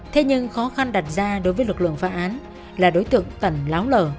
thế nhưng khó khăn đặt ra đối với lực lượng phá án là đối tượng tẩn láo lở